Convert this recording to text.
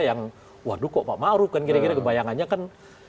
yang waduh kok pak maruf kan kira kira kebayangannya kan